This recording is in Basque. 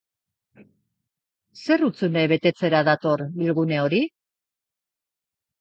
Zer hutsune betetzera dator bilgune hori?